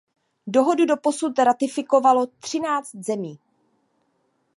Dohodu doposud ratifikovalo třináct zemí.